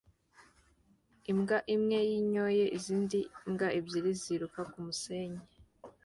Imbwa imwe yinyoye izindi mbwa ebyiri ziruka kumusenyi